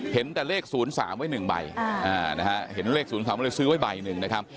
เห็นแต่เลข๐๓ไว้๑ใบนะฮะเห็นเลข๐๓เลยซื้อไว้ใบหนึ่งนะครับ